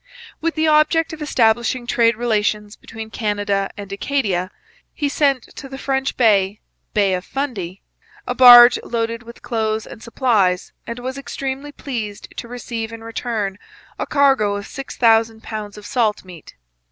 With the object of establishing trade relations between Canada and Acadia, he sent to the French Bay (Bay of Fundy) a barge loaded with clothes and supplies, and was extremely pleased to receive in return a cargo of six thousand pounds of salt meat.